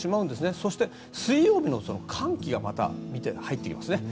そして、水曜日の寒気入ってきますね。